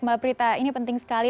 mbak prita ini penting sekali